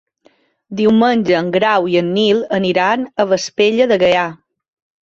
Diumenge en Grau i en Nil aniran a Vespella de Gaià.